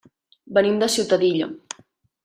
Venim de Ciutadilla.